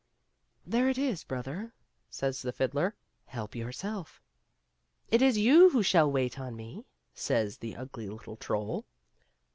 " There it is, brother," says the fiddler, " help yourself." " It is you who shall wait on me," says the ugly little troll.